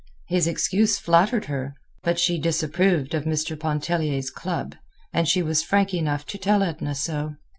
His excuse flattered her. But she disapproved of Mr. Pontellier's club, and she was frank enough to tell Edna so.